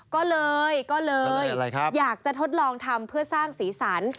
ก็เลยก็เลยอยากจะทดลองทำเพื่อสร้างสีสัน